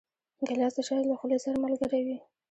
ګیلاس د شاعر له خولې سره ملګری وي.